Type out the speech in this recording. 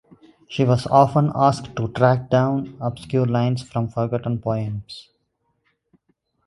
She was often asked to track down obscure lines from forgotten poems.